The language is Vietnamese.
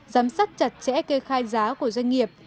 giám sát chặt chẽ kê khai giá của doanh nghiệp